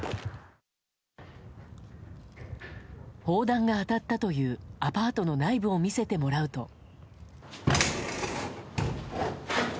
砲弾が当たったというアパートの内部を見せてもらうと。